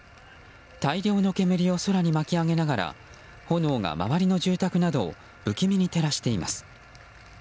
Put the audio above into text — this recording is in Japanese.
大量の煙を空に巻き上げながら炎が周りの住宅などを不気味に照らしています。